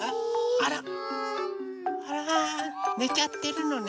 あらねちゃってるのね。